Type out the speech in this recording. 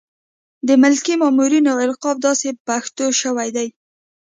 د ملکي مامورینو القاب داسې پښتو شوي دي.